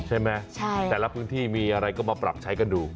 ใช่ไหมแต่ละพื้นที่มีอะไรก็มาปรับใช้กันดู